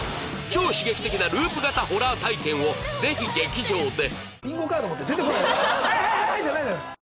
超刺激的なループ型ホラー体験をぜひ劇場で！